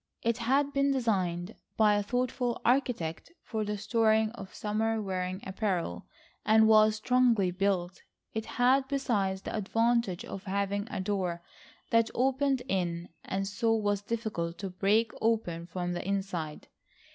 It had been designed by a thoughtful architect for the storing of summer wearing apparel, and was strongly built. It had besides the advantage of having a door that opened in and so was difficult to break open from the inside.